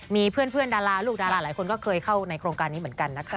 มีเพื่อนดาราลูกดาราหลายคนก็เคยเข้าในโครงการนี้เหมือนกันนะคะ